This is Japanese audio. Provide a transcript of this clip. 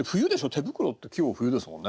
「手袋」って季語冬ですもんね。